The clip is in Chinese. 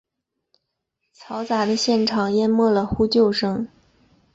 嘈杂的现场淹没了呼救声。